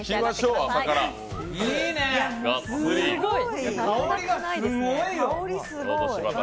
いいね、香りがすごいよ。